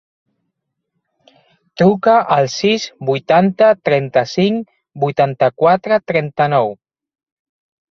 Truca al sis, vuitanta, trenta-cinc, vuitanta-quatre, trenta-nou.